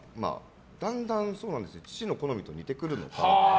だんだん父の好みと似てくるのか。